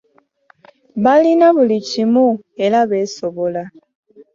Balina buli kimu era beesobola.